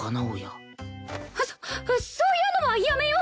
そそういうのはやめよう！